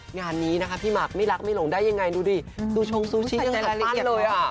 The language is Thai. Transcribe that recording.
งานนี้นะคะพี่หมักไม่ลักไม่หลงได้อย่างไรดูดิลูชมซูชีใจละลิคีกเลย